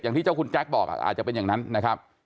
ที่เจ้าคุณแจ๊คบอกอาจจะเป็นอย่างนั้นนะครับ